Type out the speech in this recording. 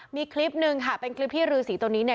มีคลิปหนึ่งค่ะเป็นคลิปที่รือสีตัวนี้เนี่ย